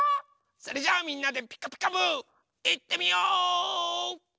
それじゃあみんなで「ピカピカブ！」いってみよう！